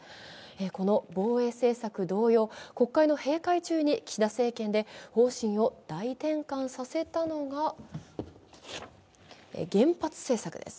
この防衛政策同様、国会の閉会中に岸田政権で方針を大転換させたのが原発についてです。